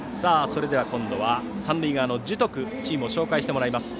それでは今度は三塁側の樹徳にチームを紹介してもらいます。